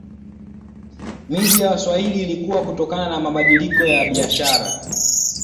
Miji ya Waswahili ilikua kutokana na mabadiliko ya biashara